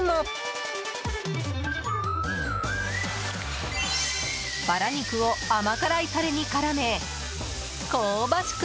姫豚のバラ肉を甘辛タレに絡め香ばしく